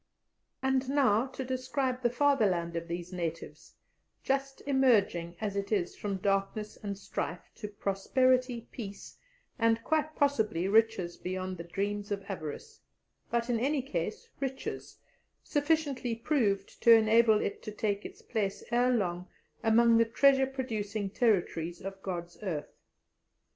And now to describe the fatherland of these natives, just emerging as it is from darkness and strife to prosperity, peace, and, quite possibly, riches beyond the dreams of avarice, but in any case riches, sufficiently proved to enable it to take its place ere long among the treasure producing territories of God's earth.